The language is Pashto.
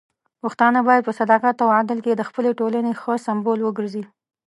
پښتانه بايد په صداقت او عدل کې د خپلې ټولنې ښه سمبول وګرځي.